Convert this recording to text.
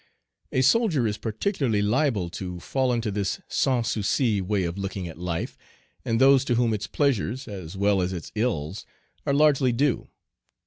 A soldier is particularly liable to fall into this sans souci way of looking at life, and those to whom its pleasures, as well as its ills, are largely due.